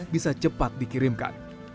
bisa cepat dikirimkan